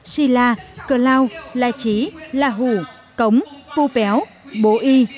xì la cờ lao la chí la hủ cống pu péo bố y